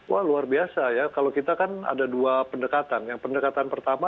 wah luar biasa ya kalau kita kan ada dua pendekatan yang pendekatan pertama